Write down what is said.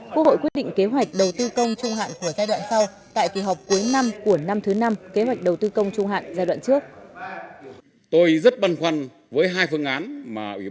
quốc hội quyết định kế hoạch đầu tư công trung hạn của giai đoạn sau